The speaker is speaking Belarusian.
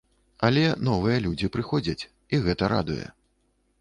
Але новыя людзі прыходзяць, і гэта радуе.